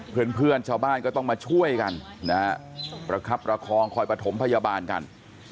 เพื่อนชาวบ้านก็ต้องมาช่วยกันนะฮะประคับประคองคอยประถมพยาบาลกัน